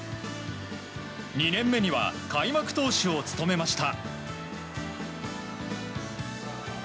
２年目には開幕投手を務めました。